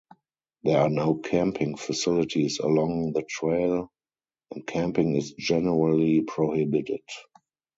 There are no camping facilities along the trail and camping is generally prohibited.